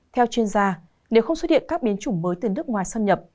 theo chuyên gia nếu không xuất hiện các biến chủng mới từ nước ngoài xâm nhập